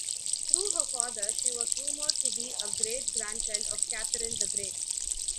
Through her father she was rumoured to be a great-grandchild of Catherine the Great.